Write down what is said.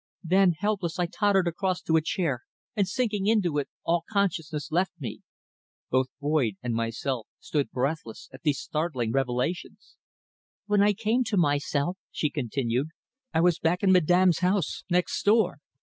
Then, helpless, I tottered across to a chair, and sinking into it all consciousness left me." Both Boyd and myself stood breathless at these startling revelations. "When I came to myself," she continued, "I was back in Madame's house next door.